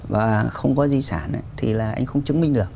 và không có di sản thì là anh không chứng minh được